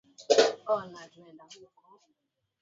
Kanisani kuna masomo muhimu